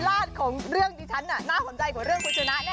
โอ้โหนักลักษณ์